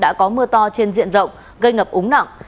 đã có mưa to trên diện rộng gây ngập úng nặng